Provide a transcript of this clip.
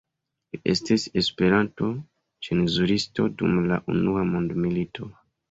Li estis Esperanto-cenzuristo dum la unua mondmilito.